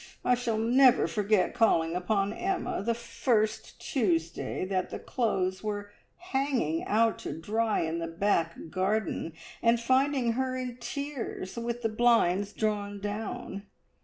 I shall never forget calling upon Emma the first Tuesday that the clothes were hanging out to dry in the back garden, and finding her in tears, with the blinds drawn down.